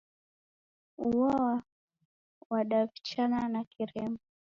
Uo wadaw'ichana na kiremba.